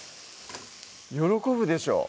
喜ぶでしょ